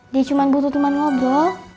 dia cuma butuh cuma ngobrol